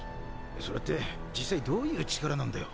それって実際どういう力なんだよ。